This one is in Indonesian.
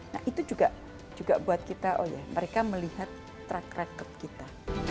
nah itu juga buat kita oh ya mereka melihat track record kita